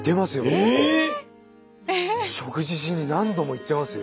ええ⁉食事しに何度も行ってますよ。